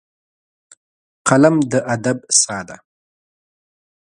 قلم د ادب ساه ده